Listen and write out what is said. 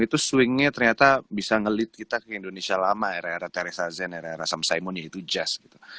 itu swingnya ternyata bisa ngelit kita ke indonesia lama era era teresa zen era era sam saimon yaitu jazz